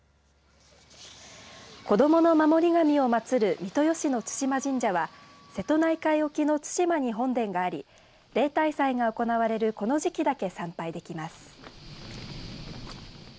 子どもの守り神を祭る三豊市の津嶋神社は瀬戸内海沖の津島に本殿があり例大祭が行われるこの時期だけ参拝できます。